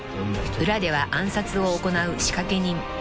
［裏では暗殺を行う仕掛人］